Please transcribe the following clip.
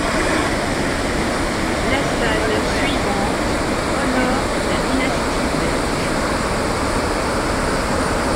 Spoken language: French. La salle suivante honore la dynastie belge.